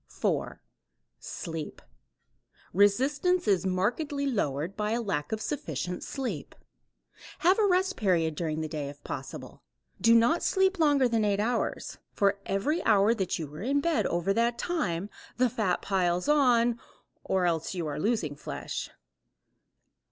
4. Sleep. Resistance is markedly lowered by a lack of sufficient sleep. Have a rest period during the day if possible. Do not sleep longer than eight hours. For every hour you are in bed over that time the fat piles on or else you are losing flesh.